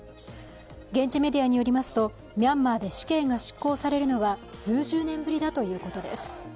現地メディアによりますと、ミャンマーで死刑が執行されるのは数十年ぶりだということです。